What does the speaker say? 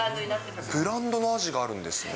ブランドのアジがあるんです